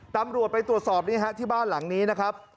ตำรวจไปตรวจสอบนี่ฮะที่บ้านหลังนี้นะครับ